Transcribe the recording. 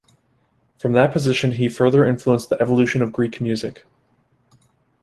From that position he further influenced the evolution of Greek music.